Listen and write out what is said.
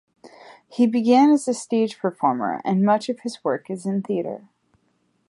He began as a stage performer, and much of his work is in theater.